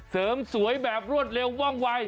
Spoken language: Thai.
เสริมสวยแบบรวดเร็วว่องวัย